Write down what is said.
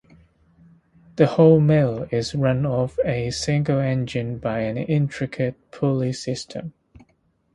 The whole mill is run off a single engine by an intricate pulley system.